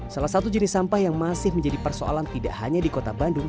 salah satu jenis sampah yang masih menjadi persoalan tidak hanya di kota bandung